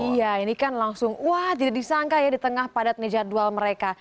iya ini kan langsung wah tidak disangka ya di tengah padatnya jadwal mereka